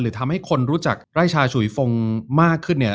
ทำให้คนรู้จักไร่ชาฉุยฟงมากขึ้นเนี่ย